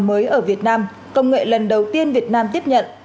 và là loại hình hình mới ở việt nam công nghệ lần đầu tiên việt nam tiếp nhận